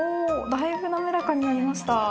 だいぶ滑らかになりました。